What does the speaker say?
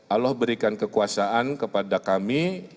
allah berikan kekuasaan kepada kami